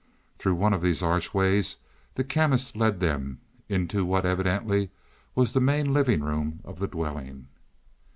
Through one of these archways the Chemist led them, into what evidently was the main living room of the dwelling.